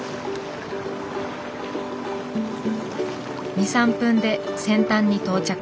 ２３分で先端に到着。